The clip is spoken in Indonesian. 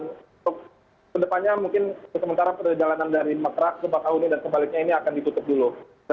untuk ke depannya mungkin sementara perjalanan dari mekrak ke bakau ini dan sebaliknya ini akan ditutup dulu